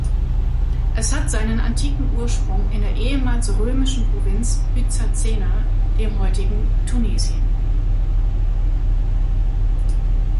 Es hat seinen antiken Ursprung in der ehemals römischen Provinz Byzacena, dem heutigen Tunesien.